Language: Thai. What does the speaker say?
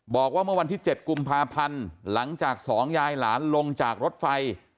บอกว่าเมื่อวันที่๗กุมภาพันธ์หลังจากสองยายหลานลงจากรถไฟ